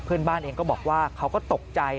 เพื่อนบ้านเองก็บอกว่าเขาก็ตกใจ